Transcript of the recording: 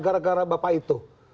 gara gara bapak itu